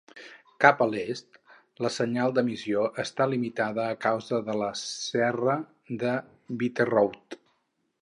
Cap a l'est, la senyal d'emissió està limitada a causa de la serra de Bitterroot.